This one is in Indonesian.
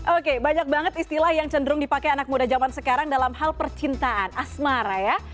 oke banyak banget istilah yang cenderung dipakai anak muda zaman sekarang dalam hal percintaan asmara ya